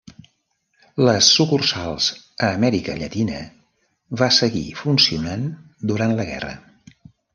Les sucursals a Amèrica Llatina va seguir funcionant durant la guerra.